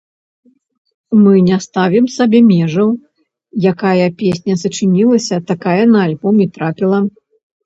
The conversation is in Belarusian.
Мы не ставім сабе межаў, якая песня сачынілася, такая на альбом і трапіла!